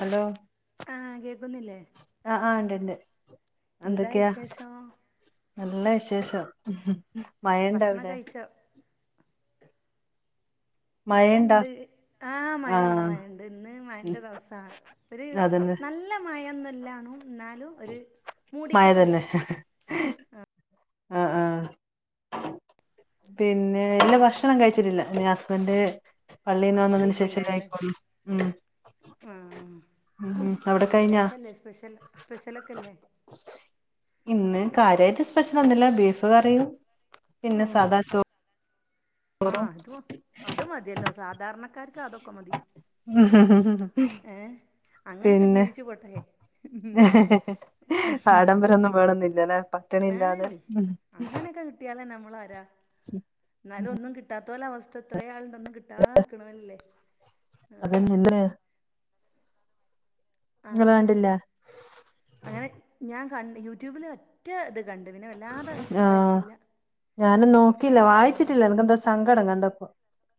Hello ആഹ് കേക്കുന്നില്ലേ ആഹ് ആഹ് ഇണ്ട് ഇണ്ട് എന്താ എന്തൊക്കെയാ വിശേഷം നല്ല വിശേഷം മഴണ്ട ഭക്ഷണം അവിടെ കഴിച്ചൊ മഴണ്ടാ മഴയുണ്ട് ആ മഴയുണ്ട് ആഹ് മഴുണ്ട് ഇന്ന് ഉം മഴന്റെ ദിവസാണ് ഒരു അതന്നെ നല്ല മയന്നല്ലാണോ എന്നാലും ഒരു മഴ മൂടിക്കെട്ടല തന്നെ ആഹ് ആഹ് പിന്നെ ഇല്ല ഭക്ഷണം കഴിച്ചിട്ടില്ല അല്ല ഹസ്ബന്ഡ് പള്ളിയിൽ നിന്ന് പള്ളി വന്നതിന് ശേഷം പോയിണ്ടാവുല്ലേ മല്ലായിക്കോള്ളൂ ഉം ആഹ് ഉം ഇന്ന് അവിടെ കഴിഞ്ഞാ വെള്ളിയാഴ്ചല്ലേ സ്പെഷ്യൽ സ്പെഷ്യലൊക്കെ ഇല്ലേ ഇന്ന് കാര്യമായിട്ട് സ്പെഷ്യൽ ഒന്നുല്ല ബീഫ് കറിയും പിന്നെ ആഹ് സാധാ ചോ ആഹ് അത് മ അത് മതിയല്ലോ സാധാരണക്കാർക്ക് അതൊക്കെ മതി [unintelligible] ഏഹ് അങ്ങനൊക്കെ ജീവിച്ചു പോട്ടെ ഉം ആഡംബരോന്നും വേണന്നില്ലല്ലേ ഇപ്പ ഏയ് അങ്ങനെയൊക്കെ കിട്ടിയാല് നമ്മള് ആരാ എന്നാലും ഒന്നും കിട്ടാ ഇത്തല അവസ്ഥ ഇത്ര ആളുണ്ട് ഒന്ന് കിട്ടാക്കണല്ലേ ആഹ് അതന്നെല്ലേ നിങ്ങളെ ആഹ് വണ്ടില്ല അങ്ങനെ ഞാൻ കണ്ട് യൂട്യൂബില് മറ്റ ഇത് കണ്ട് പിന്നെ വല്ലാതെ ആഹ് ഇതാക്കില്ല ഉം എനിക്ക് എന്താ സങ്കടം കണ്ടപ്പോ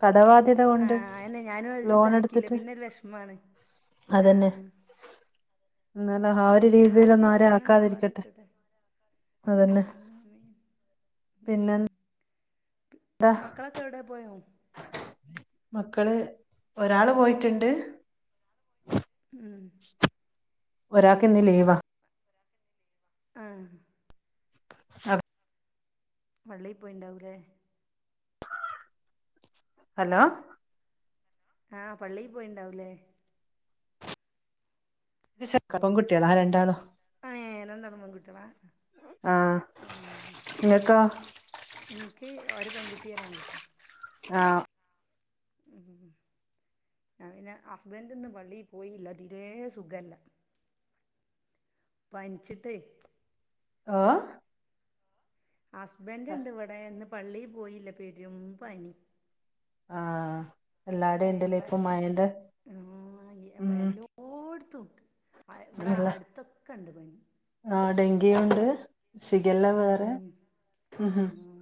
കടവാദ്യ ആഹ് അന്നെ ഞാനും ഇതാക്കിയില്ല പിന്നെ ഒരു വിഷമമാണ് ആഹ് എന്നാല ആ ഒരു ആരും രീതിയിലൊന്നും ആരെ അങ്ങനൊന്നും ആക്കാതിരിക്കട്ടെ ആവാതെക്കട്ടെ ആഹ് അതന്നെ ആമീൻ പിന്നെ മക്കളൊക്കെ എവിടെയാണ് പോയോ മക്കള് ഒരാള് പോയിട്ടുണ്ട് ഉം ഒരാൾക്ക് ഇന്ന് ലീവാ ആഹ് ഭർ പള്ളീ പോയിണ്ടാവൂല്ലേ ഹലോ ആഹ് പള്ളിയിൽ പോയിട്ടുണ്ടാവൂല്ലേ പൺകുട്ടികള ആ രണ്ടാളും ആ ഏ രണ്ടാളും പെൺകുട്ടിളാ ആഹ് ആ നിങ്ങക്കോ ഇന്ക്ക് ഒരു പെൺകുട്ടി ഒരാൺകുട്ടീം ആഹ് ഉം ഉം അത് പിന്നെ ഹസ്ബൻഡ് ഇന്ന് പള്ളിയിൽ പോയില്ല തീരേ സുഖല്ല. പനിച്ചിട്ടേ. ഓ ഹസ്ബൻഡ് ഇണ്ട് ഇവിടെ ഇന്ന് പള്ളിയിൽ പോയില്ല പെരും പനി. ആ അവടെ യ്ണ്ടല്ലേ ഇപ്പ മഴന്റെ ആ ഇ ഉം എല്ലോടത്തും ആ ഇവിടെ അല്ല അടുത്തൊ ക്കണ്ട് പനി ആ ഡെങ്കി ഉണ്ട് ഷിഗെല്ല വേറെ ഉം ഹും ഹും ആഹ്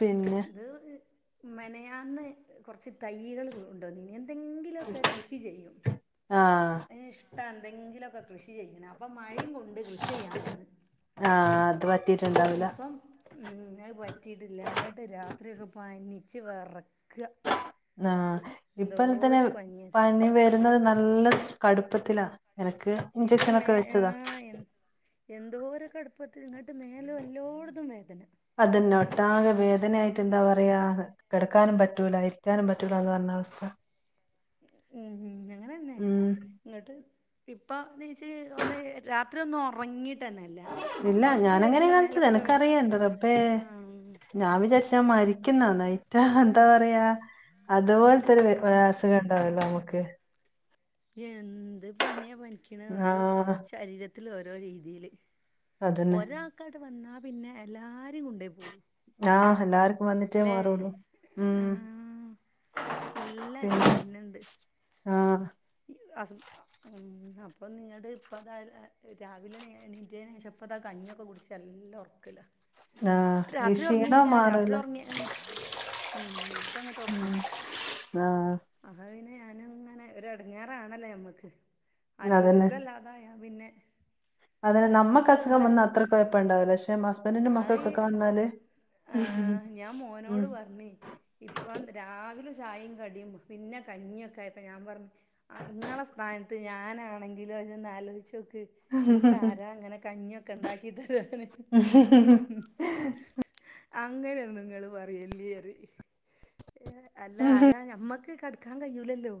പിന്നെ [unintelligible] മെനയാന്ന് കുറച്ച് തൈകൾ കൊണ്ടോന്നിനി എന്തെങ്കിലുക്കെ കൃഷി ചെയ്യും. ആഹ് അയ്ന് ഇഷ്ടാ എന്തെങ്കിലുക്കെ കൃഷി ചെയ്യണ് അപ്പോ മഴയും കൊണ്ട് കൃഷി ചെയ്യാൻ നിന്ന്. ആ അതു പ ഇപ്പം ഉം അത് പറ്റിയിട്ടില്ല ഇങ്ങട്ട് രാത്രിയൊക്കെ പനിച്ച് വെറക്ക ആ ഇപ്പോ അല്ലത്തന്നെ പനിയത് പനി വരുന്നത് നല്ല സ് കടുപ്പത്തിലാ എരക്ക് ഇപ്പൊ മേ ഏ എൻ എന്തോര് കടുപ്പത്തില് ന്നിട്ട് മേല് എല്ലോട്ത്തും വേദന അതന്നെ ഒട്ടാകെ വേദനയായിട്ട് എന്താ പറയാ കിടക്കാനും പറ്റൂല ഇരിക്കാനും പറ്റൂല എന്ന് പറഞ്ഞ അവസ്ഥ. ഉം അങ്ങനെന്നെ. ഉം എന്നട്ട് ഇപ്പ എണീച്ച് ഒന്ന് രാത്രി ഒന്ന് ഉറങ്ങീ ട്ടെനല്ല ഇല്ല ഒറക്ക്‌ ഞാനങ്ങനെ വര്ല്ല കാണിച്ചത് മേലൊക്കെ വേ എനക്കറിയാം എന്റെ റബ്ബേ ആ ഞാൻ വിചാരിച്ച മരിക്ക്‌ന്നന്നായിറ്റ എന്താ പറയാ അതുപോലത്തൊരു [unintelligible] ത് വേണ്ടാവല്ലോ നമുക്ക് എന്ത് പനിയാ പനിക്കണെ ഓരോ ആഹ് ശരീരത്തില് ഓരോ രീതിയില്. അതന്നെ ഒരാൾക്കങ്ങട് വന്നാ പിന്നെ എല്ലാരേം കൊണ്ടേ പോവുള്ളൂ. ആ എല്ലാരും വന്നിട്ടേ മാറുള്ളൂ ഉം ആ, എല്ലാവർക്കും പിന്നെ വരുന്നുണ്ട് ആഹ് ഈ സാസം അപ്പം അപ്പം ഇന്നിങ്ങട് പ്പം താ രാ രാവിലെ നീ എണീറ്റേന് ശേഷം ഇപ്പ ഇതാ ആ കഞ്ഞിയൊക്കെ കുടിച്ച് നല്ല ഉറക്കലാ. ആഹ് ഈ രാത്രി ക്ഷീണം ഉറങ്ങിയില്ല രാത്രി മാറില്ല ഉറങ്ങിൻ ഉം ഇപ്പ ഉം ങ്ങട്ട്ഒർങ്ങാ ആഹ് അഹ പിന്നെ ഞാനും ങ്ങനെ ഒര് എടങ്ങേറാണല്ല നമ്മക്ക് ആര്ക്കൊ അതന്നെ സുഖം ഇല്ലാതായ പിന്നെ അതന്നെ നമ്മക്ക് ഒരു അസുഖം വന്നാ അത്ര വിഷമം കുഴപ്പംഉണ്ടാവില്ല പക്ഷെ ഹസ്ബൻഡിനും മക്കൾക്കൊക്കെ വന്നാല് ആ ഞാൻ മോനോട് ഉം പറഞ്ഞ് ഇപ്പം രാവിലെ ചായയും കടിയും പിന്നെ കഞ്ഞിയൊക്കെ ആയപ്പോ ഞാൻ പറഞ്ഞ് ആ ഇങ്ങളെ സ്ഥാനത്ത് ഞാനാണെങ്കിലോ ജ് ഒന്ന് ആലോയ്ച്ചോക്ക് ഇൻക്കാരാ ങ്ങനെ കഞ്ഞിക്കെ ണ്ടാക്കിത്തതരാന് അങ്ങനെ ഒന്നും നിങ്ങള് പറയല്ലിറിം ഏ അല്ല ആരാ ഞമ്മക്ക് കെട്ക്കാ കയ്യൂലല്ലോ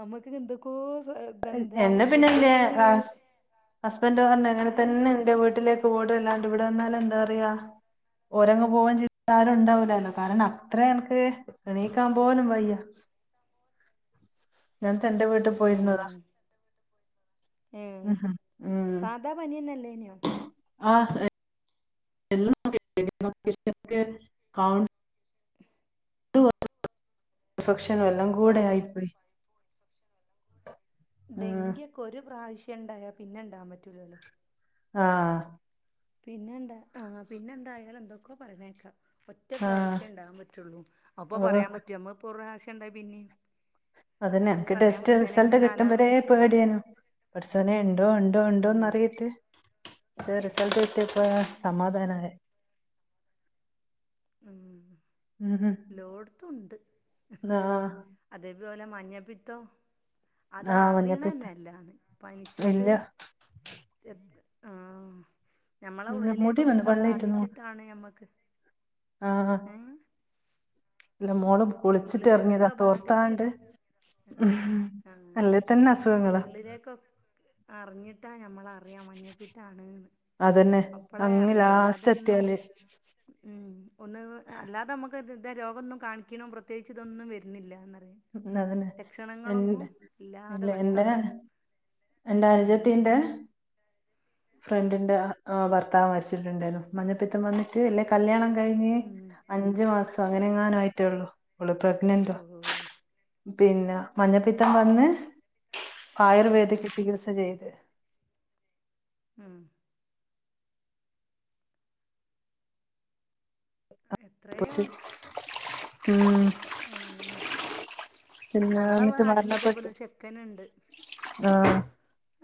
നമ്മക്ക്ങ്ങ് എന്തൊക്കോ സ്വ എ എന്നെ പിന്നെന്റെ ഹസ് ഹസ്ബൻഡ് പർഞ് ഏഹ് അങ്ങനതന്നെ- ന്റെ വീട്ട്ലേക്ക് പോട് അല്ലാണ്ട് ഇവിടെ നിന്നാലെന്താ റയാ. ഓരങ്ങ് പോവേം ചെയ്താരും ഉണ്ടാവൂലല്ലോ കാരണം അത്രേ എൻക്ക്. എണീക്കാമ്പോലും വയ്യ. ഞാൻ തന്റെ വീട്ട് പോയ്രുന്നുടാ. ഉം ഏഹ് ഉം സാധാ പന്യന്നല്ലേന്യോ? ആഹ്. [unintelligible] ത് ഇൻഫക്ഷനു എല്ലങ്കൂടെ ആഹ് ആയിപ്പോയി. ഉം. ഡെങ്കിയൊക്കെ ഒരു പ്രാവശ്യം ണ്ടായാ പിന്നെണ്ടാവാ പറ്റൂലല്ലോ. ആഹ്. പിന്നെന്താ ആഹ് പിന്നെന്തായാലെന്തൊക്കോ പറിണേക്ക. ഒറ്റ ആ പ്രാവശ്യെ ണ്ടാവാൻ പറ്റുള്ളൂ അപ്പൊ ഓ പറയാൻ പറ്റോ നമ്മ ഇപ്പോ ഒരു പ്രാവശ്യണ്ടായി പിന്നി- അതന്നെ എൻക്ക് ടെസ്റ്റ് റിസൾട്ട് കിട്ടുമ്പരേ ഇത് പേടിഏര്ന്നു. പട്ച്ചോനെ ണ്ടോ ണ്ടോ ഉം ണ്ടോന്നറിയേറ്റ്. അ റിസൾട്ട് കിട്ട്യപ്പഴ ഉം സമാധാനായെ. ഉം ഉം ഉം. ലോട്ത്തുണ്ട്. ആ അതേപോലെ മഞ്ഞപ്പിത്തം. അത ആ മഞ്ഞപ്പിത്ത അറിണന്നെല്ല പനിച്ചിട്ട്. ഇല്ല എത് ആഹ് ഞമ്മളെ ഉം, മുടി വന്ന് ഉള്ളിലേക്കൊക്കെ വെള്ളായിട്ട് ബാധിച്ചിട്ടാണ് ഞമ്മക്ക്. ആഹ്. ഏഹ് ല്ല മോളും കുളിച്ചിട്ടെർങ്ങ്യതാ ഉള്ളിലേക്കൊക്കെ ബാധിച്ചി തോർത്താണ്ട്. ഹും ആഹ് അല്ലേ തന്നെ അസുഖങ്ങളാ. അർഞ്ഞിട്ടാ ഞമ്മള. റിയ മഞ്ഞപ്പിതാണ്ന്ന് അതന്നെ അപ്പളേ അങ്ങ് അറിയുള്ളു ലാസ്റ്റ് അല്ലാതെന്നും. എത്തിയാല് ഉം ഒന്ന് ന്ന് അല്ലാതെ മ്മക്ക് ത് ഇത രോഗൊന്നും കാണിക്ണും വൃ- ത്യേകിച്ചിതൊന്നും വരുന്നില്ലന്നറിയ. ഉം അതന്നെ എ ഇല്ലാതെ ഇല്ല എൻ്റെ. പെട്ടെന്ന് എന്റെ അനുജത്തിന്റെ. ഉം ഉം ഫ്രണ്ടിന്റെ അ ഭർത്താവ് മര്ച്ചിട്ടുണ്ടായിന്നു മഞ്ഞപ്പിത്തം വന്നി ട് ന്നെ കല്യാണം കഴിഞ്ഞ് ഉം അഞ്ചു മാസം ഉം അങ്ങനെങ്ങാനും ആയിട്ടേള്ളു ഓള് പ്രഗ്നൻ്റാ. ഓഹ് പിന്ന മഞ്ഞപ്പിത്തം വന്ന് ആഹ് ആയുർവേദിക് ചികിത്സ ചെയ്ത്. ഉം [unintelligible] എത്രയാ ഉം. ഉം പിന്ന ഞങ്ങളെ എന്നിട്ട് നാട്ടിലും ഇതേപോലെ മരണപ്പെട്ട് ഒരു ചെക്കനുണ്ട് ആഹ്.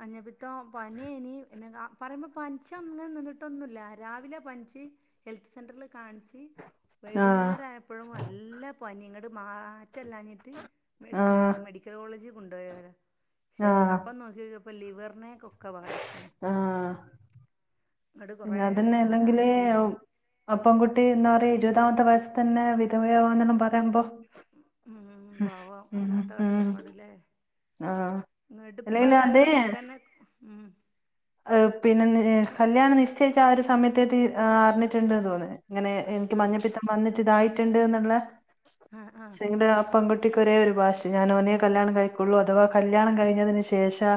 മഞ്ഞപ്പിത്തം പന്യേനി പിന്നെ കാ പറിമ്പ പൻച്ചങ്ങനെ നിന്നിട്ടൊന്നുല്ല രാവിലെ പൻച്. ഹെൽത്ത് സെന്റർൽ കാണിച്ചി- ഈ ആഹ് വൈകുന്നേര ആയപ്പഴും അല്ല പന്യ ങ്ങട്ട് മാറ്റല്ലാഞ്ഞിട്ട്. മെടി ഉം ആഹ് മെഡിക്കൽ കോളേജി കൊണ്ടോയാരാ ക്ഷേ ആഹ് അപ്പം നോക്ക്യോക്യപ്പം ലിവർനെക്ക്- ക്ക ബാധിച്ച്ണ് ആഹ് ങ്ങട് കൊറേ തായി അപെങ്കുട്ടി എന്താ പറയാ ഇരുപതാമത്തെ വയസ്സ് തന്നെ വിധവയവന്നല്ല പറയുമ്പൊ. ഉം ഉം പാവം അല്ലാത്ത ഉം കഷ്ടപ്പാട് ലേ. ആഹ് ങ്ങട് അല്ലെങ്കില് പ്പേതായാലും അതേ ആ ചെക്കന്നെ ഉം. ഏഹ് പിന്നെ [unintelligible] കല്യാണം നിശ്ചയിച്ച ആ ഒരു സമയത്തേ അറിഞ്ഞിട്ടുണ്ട്ന്ന് തോന്നുന്നു ഇങ്ങനെ എനിക്ക് ആഹ് മഞ്ഞപ്പിത്തം വന്നിട്ട് ഇതായിട്ടുണ്ട് ആഹ് ആഹ് എന്നുള്ളെുടെ അപ്പകുട്ടി കുട്ടിക്ക് ഒരേ ഒരു വാശി ഞാൻ ഓനേ കല്യാണം കഴിക്കുള്ള അഥവാ കല്യാണം കഴിഞ്ഞതിന് ശേഷം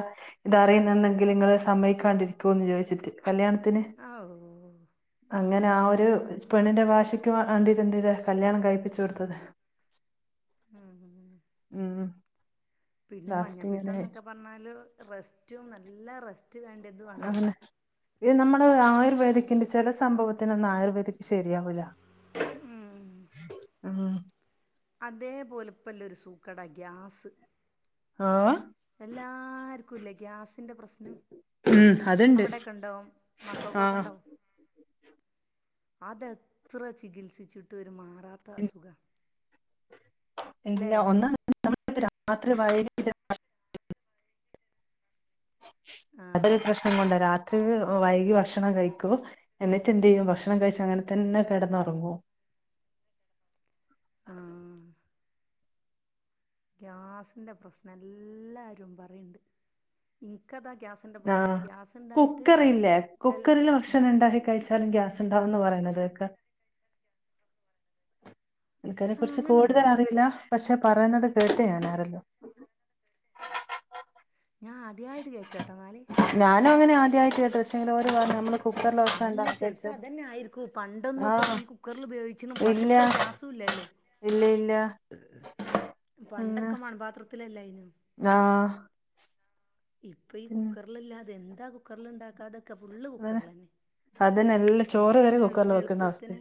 ഇത് അറിയുന്നുണ്ടെങ്കിൽ നിങ്ങള് സമ്മയക്കാണ്ടിരികുവോന്നു ചോദിച്ചിട്ട് കല്യാണത്തിന് ആഹ് ഓ അങ്ങനെ ആ ഒരു പെണ്ണിന്റെ വാശിക്ക് വണ്ടീത് കല്യാണം കഴ്പ്പിച്ചു കൊടുത്തത് [inaudible] ഉം ഉം. പിന്നെ ലാസ്റ്റ് ഇങ്ങനെ മഞ്ഞപ്പിത്തം ന്നൊക്കെ പറഞ്ഞാല് റെസ്റ്റും നല്ല റസ്റ്റ് അങ്ങനെ. ഇത് നമ്മള് ആയുർവേദിക്കിന്റെ ചെല സംഭവത്തിനൊന്നായുർവേദിക് ശരിയാവൂല. ഉം. ആഹ്. അതേപോലെ ഇപ്പല്ലരു സൂക്കട ഗ്യാസ്. ആഹ്. എല്ലാർക്കുല്ലെ ഗ്യാസിന്റെ പ്രസ്നം. ഉം അതുണ്ട് അവിടൊക്കണ്ടോ ആഹ് മക്കകൊക്കെണ്ടോ? അതെത്ര ചികിത്സിച്ചിട്ട് ഒരു മാറാത്ത അസുഖാണ് ഇല്ല ഒന്ന് [unintelligible] രാത്രി വയ അതൊരു ആഹ് പ്രശ്നം കൊണ്ട് രാത്രിക്ക് വൈകി ഭക്ഷണം കഴിക്കു. എന്നിട്ടെന്തയ്യും ഭക്ഷണം കഴിച്ച് അങ്ങനെ തന്നെ കെടന്നുറങ്ങുവോ. ആഹ്. ഗ്യാസിന്റെ പ്രശ്നല്ലാരും പറീണ്ട് ഇൻക്കതാ ഗ്യാസ്. ന്റ പ്രശ്നം ആഹ് ഗ്യാസ്. കുക്കറില്ലേ ചെൽ കുക്കറിൽ ഭക്ഷണം ആഹ് ണ്ടാക്കി കഴിച്ചാലും ഗ്യാസ് ആഹ് ഉണ്ടാവുന്ന് പറയുന്ന കേക്ക. എനിക്കതിനെ ആഹ് കുറിച്ച് അങ്ങനുണ്ടോ കൂടുതൽ അറിവില്ല പക്ഷേ പറയുന്നത് കേട്ട് ഞാനാാരല്ലോ. ഞാൻ ആദ്യായിട്ട് കേക്ക്ട്ടോ ന്നാല്. ഞാനും അങ്ങനെ ആ വ്യർത്തിയായിട്ട് പക്ഷേ എന്തോരതാ നമ്മള് കുക്കർല് അതെന്നെ ഉണ്ടാക്കി ചെലപ്പോ കഴ്ച്ചാല് അതന്നെ ആയിരിക്കും പണ്ടൊന്നും ഇപ്പൊ ആഹ് ഈ കുക്കറിൽ ഉപയോഗിച്ച്ണും പണ്ട് ഇത്ര ഗ്യാസുല്ലല്ലോ. ഇല്ലേ ഇല്ല. പണ്ടൊക്കെ മൺപാത്രത്തിലല്ലായിനോ ങ്ങ. ഇപ്പൊ ഈ കുക്കറ്ലല്ലാതെ എന്താ കുക്കറ്ൽണ്ടാക്കാതെ. അതന്നെ അതിനല്ലാം ചോറ് നമുക്ക് വരെ ഒരു എളു കുക്കറിൽ വെക്കുന്ന അവസ്ഥേ. എളുപ്പത്തിന്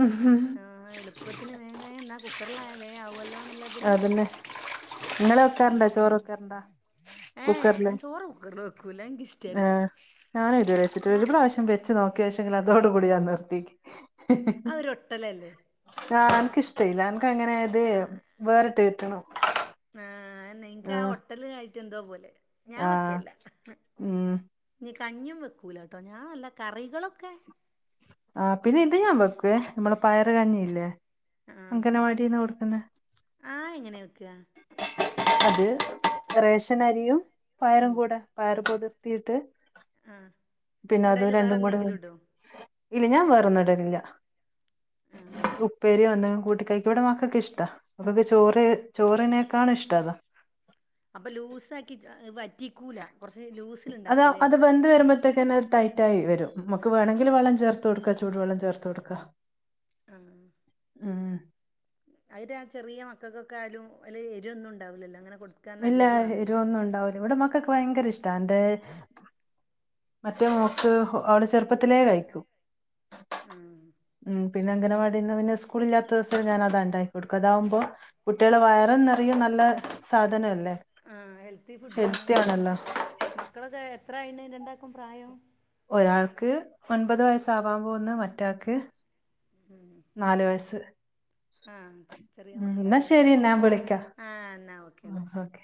മ് ഹ് എള്പ്പത്തിന് വേം കയ്യും ന്നാ കുക്കറ്ൽ ആയ വേ ആവുല്ലോ ന്ന്ള്ള അതന്നെ നിങ്ങൾ വെക്കാറുണ്ടേ ചോറ് ഉം വെക്കാറുണ്ടോ? ഏഹ് കുക്കറ്ല് ഞാൻ ചോറ് കുക്കറിൽ വെക്കൂല ഏ എനിക്കിഷ്ടല്ല ഞാന് ഇത് വരെ വെച്ചിട്ട് ഞാൻ ഒരു പ്രാവശ്യം വ വച്ച് നോക്കിയ ശേഷെങ്കിൽ അതോട് കൂടി ഞാൻ നിർത്തി ഹി ആ ഒരു ഒട്ടലല്ലേ ഹി ആഹ് എനക്ക്ഷ്ടല്ല എനക്ക് അങ്ങനെ അത് വേറിട്ട് കിട്ടണം. ആഹ് നിങ്ങക്ക് ആ ആഹ് ഹോട്ടല് കയിട്ട് എന്തോ പോലെ ഞാൻ ആഹ് വെക്കേല്ല. ഉം ഞ്ഞി കഞ്ഞും വെക്കൂലട്ടോ ഞാൻ നല്ല കറികളൊക്കെ. ആ പിന്നെ ഇത് ഞാൻ വെക്ക്വേ നമ്മള പയറ് കഞ്ഞി ഇല്ലേ അങ്കനവാടീന്ന് കൊടുക്കുന്ന ആഹ് എങ്ങനെ വെക്ക്? അത് റേഷൻ അരിയും പയറും ഉം കൂടെ പയർ കുതിർത്തിയിട്ട്. ആഹ് ഇങ്ങട് അയിൽ വേറെ കൂടെ എന്തെങ്കിലുടോ? ഇല്ല ഞാൻ വേറൊന്ന് ഇടലില്ല. ആഹ്. ഉപ്പേരിയോ എന്തെലും കൂട്ടിക്കഴിക്ക ഇവിടെ മക്കൾക്ക് ഇഷ്ട മക്കക്ക് ചോറ് ചോറിനേക്കാാണ് ഇഷ്ട അതാ. അപ്പൊ ലൂസാക്കി വറ്റിക്കൂല കെറ്ച്ച് അത് ലൂസ്ൽണ്ടാക്കൂല്ലേ. അത് വെന്ത് വരുമ്പോഴത്തേക്കന്നെ ടൈറ്റായി വരും മ്മക്ക് വേണങ്കിൽ വളളം ചേർത്തോട്ക്കാം ചൂട് വള്ളം ചേർത്തോട്ക്കാ. ആഹ്. മ്. അവര് ആ ചെറിയ മക്കൾക്കൊക്കെ ആയാലും അല്ല എരു ഒന്നും ണ്ടാവൂല്ലല്ലോ അങ്ങനെ. കൊടുക്കാൻ ഇല്ല നല്ലതു ആണല്ലോ എരുവൊന്നും ഉണ്ടാവുല ഇവിടെ മക്കൊക്ക് ഭയങ്കര ഇഷ്ട എന്റെ. മറ്റേ മോക്ക് അവൾ ചെറ്പ്പത്തിലേ കഴിക്കും. ആഹ് ഉം പിന്ന അംഗനവാടിന്ന് പിന്നെ സ്കൂള ഇില്ലാത്തസം ഞാൻ അതാ ണ്ടാക്കി കൊടുക്കും അതാവ്പോ കുട്ടിളെ വയർ നിറയും നല്ല സാധന അല്ലേ ആ ഹെൽത്തി ഫുഡു ആണ് മക്കളൊക്കെ എത്രയണ് രണ്ടാക്കും പ്രായം? ഒരാൾക്ക് ഒൻപത് വയസ്സാവാൻ പോക്ന്ന് മറ്റാക്ക് നാല് വയസ്സ് ആഹ് ചെറിയ ഉം ഇന്നാ മക്കളാല്ലേ ശരി ഇന്നാ വിളിക്ക ആഹ് എന്നാ ഓക്കെ എന്നാ ശരി ഒകെ